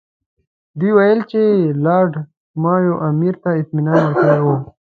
دوی وویل چې لارډ مایو امیر ته اطمینان ورکړی وو.